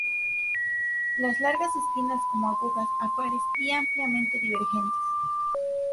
Las largas espinas como agujas a pares y ampliamente divergentes.